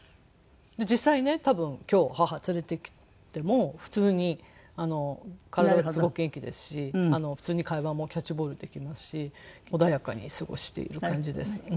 実際ね多分今日母連れてきても普通に体はすごく元気ですし普通に会話もキャッチボールできますし穏やかに過ごしている感じです。